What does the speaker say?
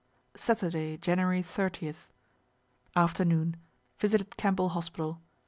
Saturday, January 30th. Afternoon, visited Campbell hospital.